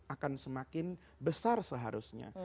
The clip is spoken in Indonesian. akan semakin besar seharusnya